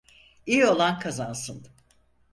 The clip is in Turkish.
İyi olan kazansın.